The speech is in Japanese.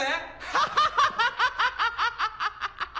ハハハハ‼